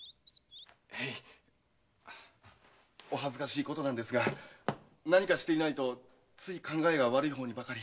へいお恥ずかしいことなんですが何かしていないとつい考えが悪い方にばかり。